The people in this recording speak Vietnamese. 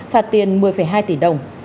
phạt tiền một mươi hai tỷ đồng